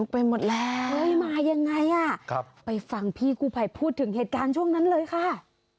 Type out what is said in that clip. ไปหมดแล้วมายังไงอ่ะครับไปฟังพี่กู้ภัยพูดถึงเหตุการณ์ช่วงนั้นเลยค่ะ